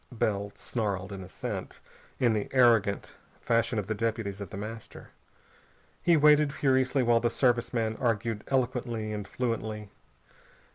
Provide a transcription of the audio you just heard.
Bell snarled an assent, in the arrogant fashion of the deputies of The Master. He waited furiously while the Service man argued eloquently and fluently.